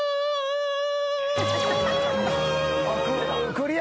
クリア。